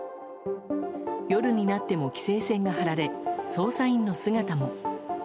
夜になっても規制線が張られ捜査員の姿も。